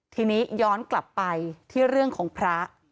ทีนี้ย้อนกลับไปที่เรื่องของพระ